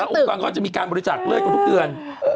แต่ละอุปกรณ์ก็จะมีการบริจักษ์เลือดกันทุกเดือน